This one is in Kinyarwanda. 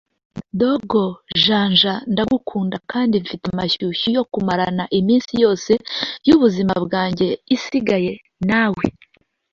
Dogo Janja ndagukunda kandi mfite amashyushyu yo kumarana iminsi yose y’ubuzima bwanjye isigaye nawe”